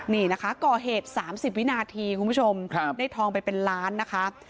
นี่นะคะก่อเหตุ๓๐วินาทีคุณผู้ชมได้ทองไปเป็นล้านนะคะ